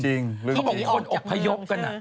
เขาบอกคนอบพยพกัน